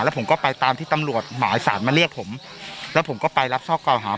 ผมก็ไปตามที่ตำรวจหมายสารมาเรียกผมแล้วผมก็ไปรับทราบเก่าหา